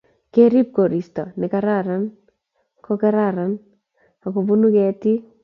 kerip koristo nekararan ko kararan akubunuu ketik